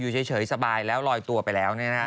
เฉยสบายแล้วลอยตัวไปแล้ว